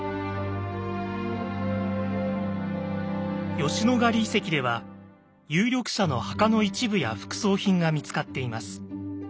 吉野ヶ里遺跡では有力者の墓の一部や副葬品が見つかっています。